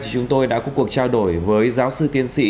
chúng tôi đã có cuộc trao đổi với giáo sư tiến sĩ